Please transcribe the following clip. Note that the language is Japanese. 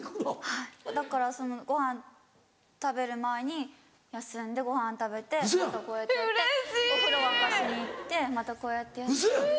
はいだからそのごはん食べる前に休んでごはん食べてまたこうやってやってお風呂沸かしに行ってまたこうやってやって。